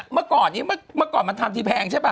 เมื่อก่อนมันทำที่แพงใช่ปะ